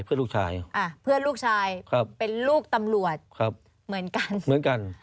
เพื่อนลูกชายเป็นลูกตำรวจเหมือนกัน